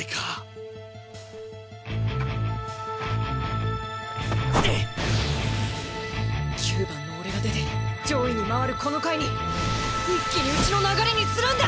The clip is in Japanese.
心の声９番の俺が出て上位にまわるこの回に一気にうちの流れにするんだ！